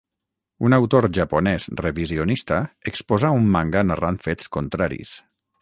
Un autor japonès revisionista exposà un manga narrant fets contraris.